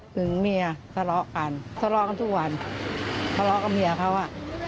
เมียทะเลาะกันทะเลาะกันทุกวันทะเลาะกับเมียเขาอ่ะ